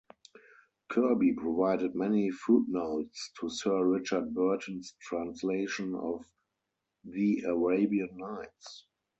Kirby provided many footnotes to Sir Richard Burton's translation of the "Arabian Nights".